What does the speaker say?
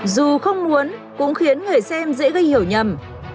dù không muốn cũng khiến người xem dễ gây hiểu nhầm